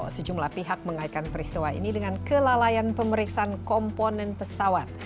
sejumlah pihak mengaitkan peristiwa ini dengan kelalaian pemeriksaan komponen pesawat